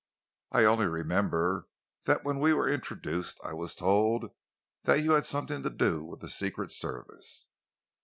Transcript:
I only remember that when we were introduced I was told that you had something to do with the Secret Service."